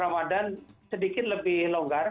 ramadan sedikit lebih longgar